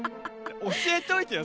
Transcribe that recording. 教えておいてよ！